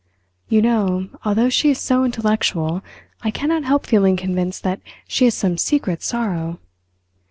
"You know, although she is so intellectual, I cannot help feeling convinced that she has some secret sorrow.